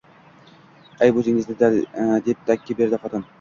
– Ayb o‘zingizda! – deb dakki berdi xotin